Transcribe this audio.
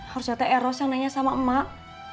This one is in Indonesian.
harusnya teh ros yang nanya sama emak